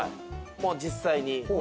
もう実際に。